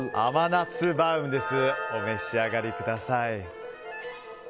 お召し上がりください。